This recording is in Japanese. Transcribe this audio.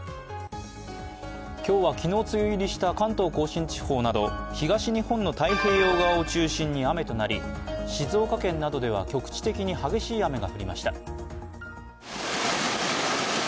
今日は昨日梅雨入りした関東甲信地方など東日本の太平洋側を中心に雨となり静岡県などでは局地的に激しい雨が降りました。